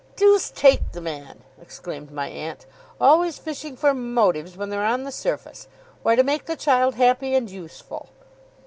'Deuce take the man!' exclaimed my aunt. 'Always fishing for motives, when they're on the surface! Why, to make the child happy and useful.